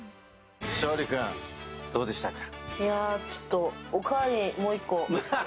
昇利君、どうでしたか？